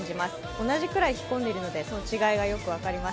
同じくらい着込んでいるので、その違いがよく分かります。